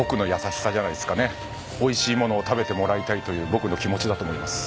おいしい物を食べてもらいたいという僕の気持ちだと思います。